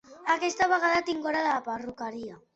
Aquesta vegada tinc hora a la perruqueria.